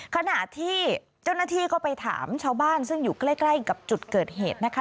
ขณะที่เจ้าหน้าที่ก็ไปถามชาวบ้านซึ่งอยู่ใกล้กับจุดเกิดเหตุนะคะ